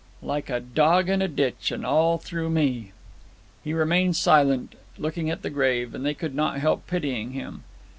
'Like a dog in a ditch, and all through me!' He remained silent, looking at the grave, and they could not help pitying him.